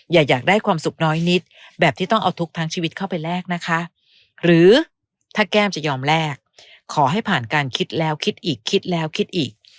อยากได้ความสุขน้อยนิดแบบที่ต้องเอาทุกข์ทั้งชีวิตเข้าไปแลกนะคะหรือถ้าแก้มจะยอมแลกขอให้ผ่านการคิดแล้วคิดอีกคิดแล้วคิดอีก